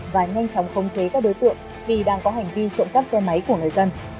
và nhanh chóng khống chế các đối tượng khi đang có hành vi trộm cắp xe máy của người dân